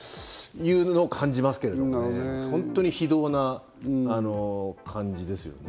そういうのを感じますけどね、本当に非道な感じですよね。